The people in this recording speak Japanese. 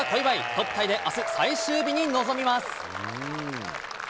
トップタイであす、最終日に臨みます。